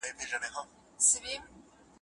لکه هسک شاهین چې ځي د خیبر غرو ته